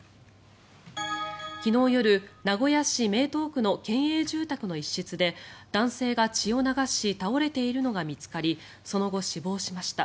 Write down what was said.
昨日夜、名古屋市名東区の県営住宅の一室で男性が血を流し倒れているのが見つかりその後、死亡しました。